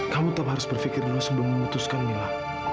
kamu tetap harus berpikir dulu sebelum memutuskan mila